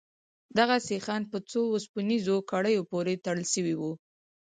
دغه سيخان په څو وسپنيزو کړيو پورې تړل سوي وو.